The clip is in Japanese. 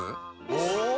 お！